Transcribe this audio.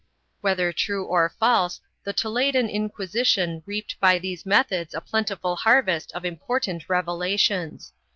Whether true or false, the Toledan Inquisition reaped by these methods a plentiful harvest of important revelations.